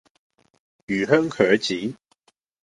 魚香茄子